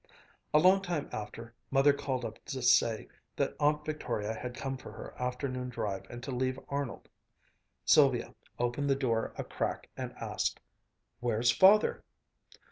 A long time after, Mother called up to say that Aunt Victoria had come for her afternoon drive, and to leave Arnold. Sylvia opened the door a crack and asked, "Where's Father?"